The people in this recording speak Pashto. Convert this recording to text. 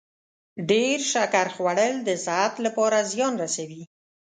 ډیر شکر خوړل د صحت لپاره زیان رسوي.